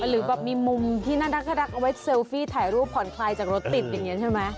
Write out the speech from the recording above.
หรือแบบมีมุมที่น่ารักเอาไว้เซลฟี่ถ่ายรูปผ่อนคลายจากรถติดอย่างนี้ใช่ไหม